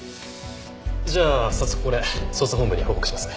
じゃあ早速これ捜査本部に報告します。